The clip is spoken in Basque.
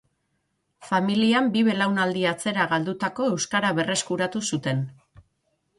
Familian bi belaunaldi atzera galdutako euskara berreskuratu zuten.